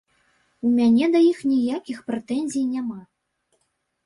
У мяне да іх ніякіх прэтэнзій няма.